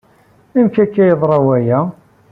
Amek akka ay yeḍra waya?